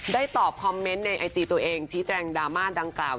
ตอบคอมเมนต์ในไอจีตัวเองชี้แจงดราม่าดังกล่าว